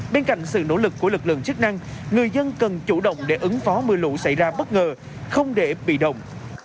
bên cạnh sự nỗ lực của lực lượng chức năng người dân cần chủ động để ứng phó mưa lũ xảy ra bất ngờ không để bị động